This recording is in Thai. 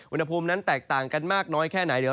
อุณหภูมินั้นแตกต่างกันมากน้อยแค่ไหนเดี๋ยว